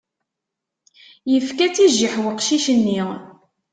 Yefka-tt i jjiḥ weqcic-nni.